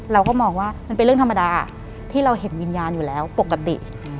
เราก็มองว่ามันเป็นเรื่องธรรมดาที่เราเห็นวิญญาณอยู่แล้วปกติ